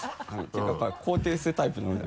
やっぱり肯定するタイプなので。